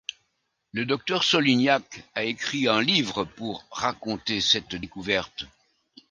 Le docteur Solignac a écrit un livre pour raconter cette découverte.